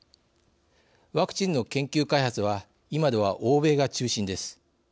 ワクチンの研究・開発は今では欧米が中心です。